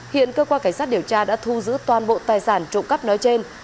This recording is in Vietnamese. hiện cơ quan cảnh sát điều tra đã thu giữ toàn bộ tài sản trộm cắp nói trên